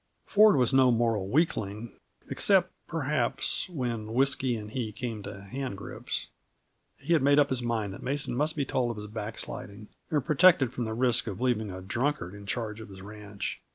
Ford was no moral weakling except, perhaps, when whisky and he came to hand grips. He had made up his mind that Mason must be told of his backsliding, and protected from the risk of leaving a drunkard in charge of his ranch.